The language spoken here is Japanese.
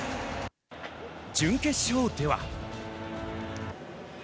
準決勝では。